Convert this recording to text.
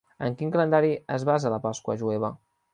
En quin calendari es basa la Pasqua jueva?